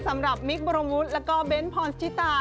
สำหรับมิ๊กบรมวุฒิแล้วก็เบ้นพรชิตา